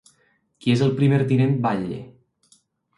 Qui és el primer tinent batlle?